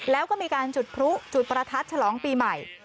แล้วก็มีการจุดพลุจุดประทัดฉลองปีใหม่